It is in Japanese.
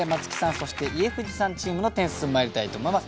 そして家藤さんチームの点数まいりたいと思います。